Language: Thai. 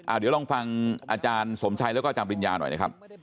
เดี๋ยวลองฟังอาจารย์สมชัยแล้วก็อาจารย์ปริญญาหน่อยนะครับ